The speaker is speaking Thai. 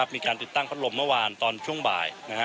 มีการติดตั้งพัดลมเมื่อวานตอนช่วงบ่าย